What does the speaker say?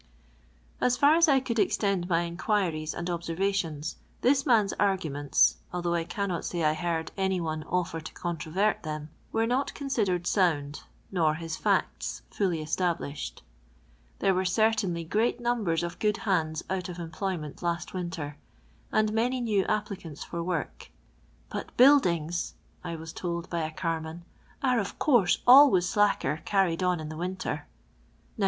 As far as I could extend my inquiries and observations, this man's arguments — although I cannot say I heard any one offer to controvert them — were not considered sound, nor his facts fully establisheti. There were certainly great numbers of good hands out of employment last winter, and many new applicants for work ;'* but buildings," I was told by a carman, "are of course always slacker carried on in the winter.